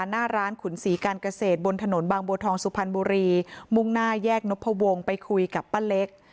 หน้าร้านขุนศรีการเกษตรบนถนนบางบัวทองสุพรรณบุรีมุ่งหน้าแยกนพวงไปคุยกับป้าเล็ก